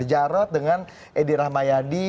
jarut dengan edi rahmayadi